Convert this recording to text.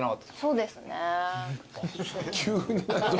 そうですね。